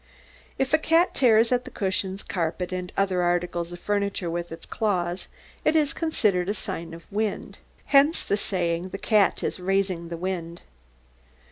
If a cat tears at the cushions, carpet, and other articles of furniture with its claws, it is considered a sign of wind. Hence the saying, "the cat is raising the wind."